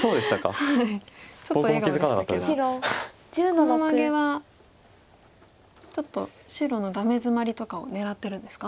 このマゲはちょっと白のダメヅマリとかを狙ってるんですか？